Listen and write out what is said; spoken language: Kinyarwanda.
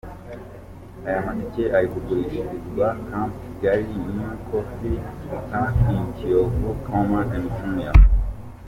Aya matike ari kugurishirizwa Camp Kigali, Neo Café, Park Inn Kiyovu, Choma’d, Jumia.